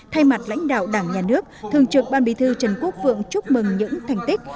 thay mặt lãnh đạo đảng nhà nước thường trực ban bí thư trần quốc vượng chúc mừng những thành tích